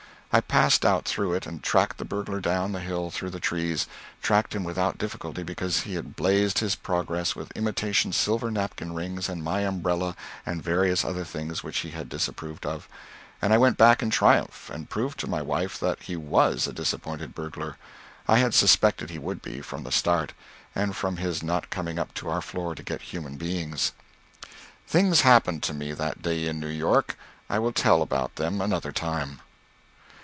I passed out through it and tracked the burglar down the hill through the trees; tracked him without difficulty, because he had blazed his progress with imitation silver napkin rings, and my umbrella, and various other things which he had disapproved of; and I went back in triumph and proved to my wife that he was a disappointed burglar. I had suspected he would be, from the start, and from his not coming up to our floor to get human beings. Things happened to me that day in New York. I will tell about them another time.